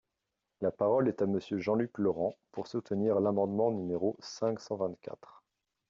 La parole est à Monsieur Jean-Luc Laurent, pour soutenir l’amendement numéro cinq cent vingt-quatre.